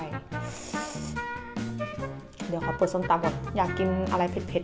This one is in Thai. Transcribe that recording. เดี๋ยวขอเปิดส้มตำแบบอยากกินอะไรเผ็ด